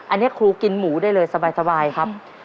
อันนี้ครูกินหมูได้เลยสบายครับ